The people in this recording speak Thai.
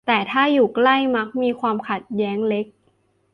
แต่ถ้าอยู่ใกล้มักมีความขัดแย้งเล็ก